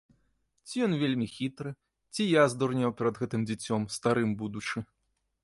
Ці ён вельмі хітры, ці я здурнеў перад гэтым дзіцём, старым будучы.